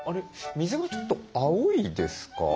水がちょっと青いですか？